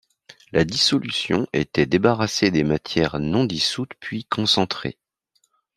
La dissolution était débarrassée des matières non dissoutes puis concentrée.